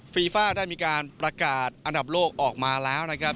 ฟีฟ่าได้มีการประกาศอันดับโลกออกมาแล้วนะครับ